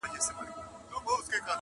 بېگانه مو په مابین کي عدالت دئ!!